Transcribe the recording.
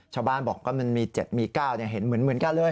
ชาวบ้านบอกว่ามันมี๗มี๙เห็นเหมือนกันเลย